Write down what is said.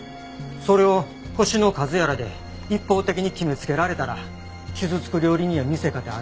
それを星の数やらで一方的に決めつけられたら傷つく料理人や店かてある。